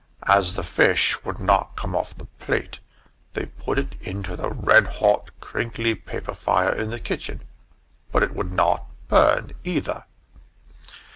As the fish would not come off the plate, they put it into the red hot crinkly paper fire in the kitchen; but it would not burn either.